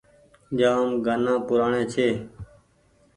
جآم گآنآ پرآني ڇي ۔